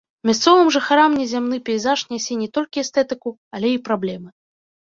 Мясцовым жыхарам незямны пейзаж нясе не толькі эстэтыку, але і праблемы.